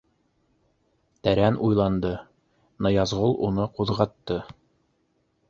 Тәрән уйланды, Ныязғол уны ҡуҙғатты.